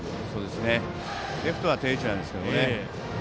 レフトは定位置なんですが。